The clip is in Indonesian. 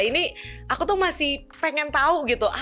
ini aku tuh masih pengen tahu gitu